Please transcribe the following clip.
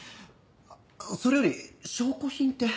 それより証拠品って？